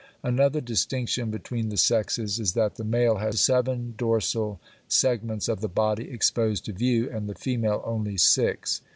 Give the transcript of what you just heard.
Another distinction between the sexes is that the male has seven dorsal segments of the body exposed to view, and the female only six.